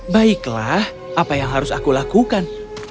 baiklah apa yang harus aku lakukan